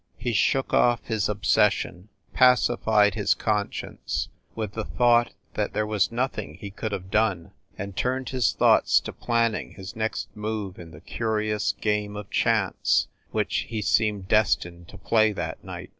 He shook off his obsession, pacified his conscience with the thought that there was nothing he could haye done, and turned his thoughts to planning his next move in the curious game of chance which he seemed destined to play that night.